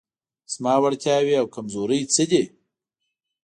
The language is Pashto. زما وړتیاوې او کمزورۍ څه دي؟